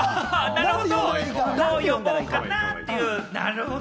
なるほど、どう呼ぼうかな？っていう。